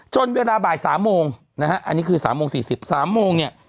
จนเวลาบ่ายสามโมงนะฮะอันนี้คือสามโมงสี่สิบสามโมงเนี้ย